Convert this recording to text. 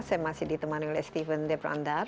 saya masih ditemani oleh stephen debrandar